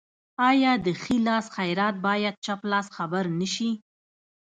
آیا د ښي لاس خیرات باید چپ لاس خبر نشي؟